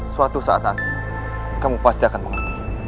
suatu saat kamu pasti akan mengerti